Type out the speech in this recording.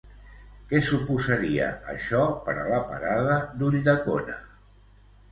Què suposaria això per a la parada d'Ulldecona?